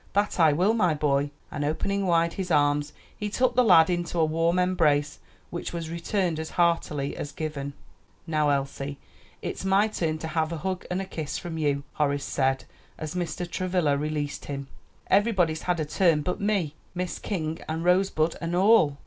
"That I will, my boy!" And opening wide his arms he took the lad into a warm embrace, which was returned as heartily as given. "Now, Elsie, it's my turn to have a hug and kiss from you," Horace said, as Mr. Travilla released him; "everybody's had a turn but me. Miss King and Rosebud and all."